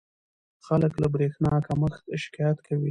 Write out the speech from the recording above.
خلک له برېښنا کمښت شکایت کوي.